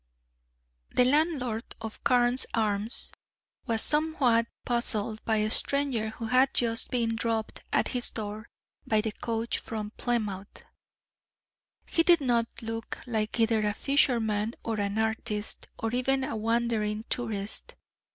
The landlord of the "Carne's Arms" was somewhat puzzled by a stranger who had just been dropped at his door by the coach from Plymouth. He did not look like either a fisherman or an artist, or even a wandering tourist.